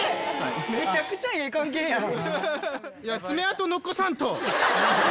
めちゃくちゃええ関係やん。